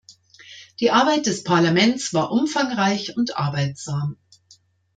Die Arbeit des Parlaments war umfangreich und arbeitsam.